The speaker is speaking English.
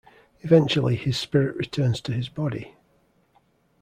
Eventually, his spirit returns to his body.